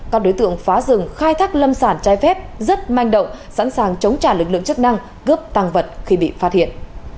các đối tượng phá rừng khai thác lâm sản trái phép rất manh động sẵn sàng chống trả lực lượng chức năng cướp tăng vật khi bị phát hiện